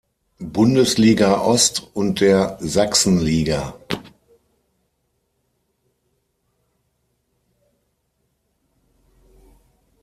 Bundesliga Ost und der Sachsenliga.